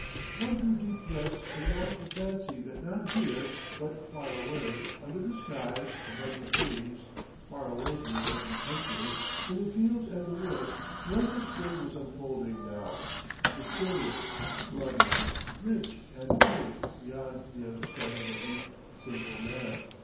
One drew deep breaths and longed to fancy that not here but far away under the sky, above the trees, far away in the open country, in the fields and the woods, the life of spring was unfolding now, mysterious, lovely, rich and holy beyond the understanding of weak, sinful man.